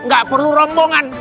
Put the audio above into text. gak perlu rombongan